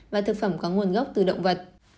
và thực phẩm có nguồn gốc từ động vật